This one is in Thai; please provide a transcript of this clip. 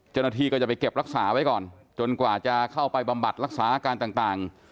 เจ้าหน้าที่ก็จะไปเก็บรักษาไว้ก่อนจนกว่าจะเข้าไปบำบัดรักษาอาการต่าง